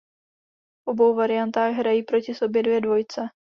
V obou variantách hrají proti sobě dvě dvojice.